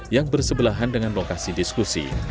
yang bersebelahan dengan lokasi diskusi